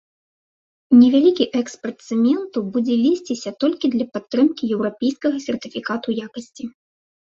Невялікі экспарт цэменту будзе весціся толькі для падтрымкі еўрапейскага сертыфікату якасці.